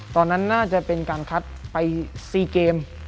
ตอนนั้นน่าจะเป็นการคัดไป๔เกม